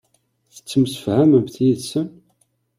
Tettemsefhamemt yid-sen?